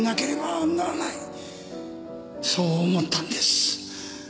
そう思ったんです。